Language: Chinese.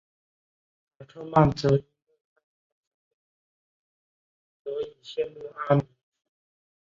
卡特曼则因为太晚到商店而没买所以羡慕着阿尼。